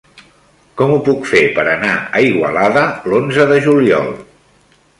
Com ho puc fer per anar a Igualada l'onze de juliol?